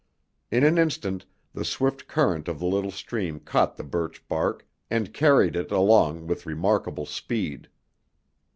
In an instant the swift current of the little stream caught the birch bark and carried it along with remarkable speed.